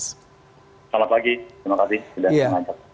selamat pagi terima kasih